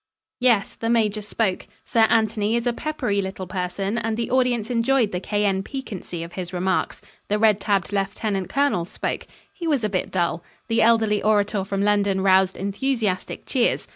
Yes, the Major spoke. Sir Anthony is a peppery little person and the audience enjoyed the cayenne piquancy of his remarks. The red tabbed Lieutenant Colonel spoke. He was a bit dull. The elderly orator from London roused enthusiastic cheers.